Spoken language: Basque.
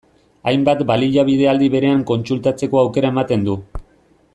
Hainbat baliabide aldi berean kontsultatzeko aukera ematen du.